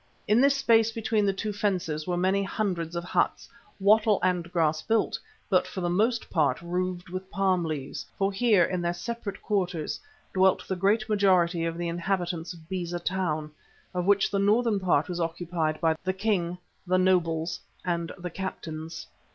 In this space between the two fences were many hundreds of huts, wattle and grass built, but for the most part roofed with palm leaves, for here, in their separate quarters, dwelt the great majority of the inhabitants of Beza Town, of which the northern part was occupied by the king, the nobles and the captains.